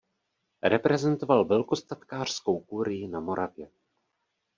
Reprezentoval velkostatkářskou kurii na Moravě.